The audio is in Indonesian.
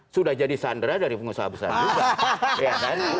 sudah jadi sandera dari pengusaha besar juga